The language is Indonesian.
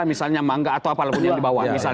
misalnya mangga atau apalagi yang dibawa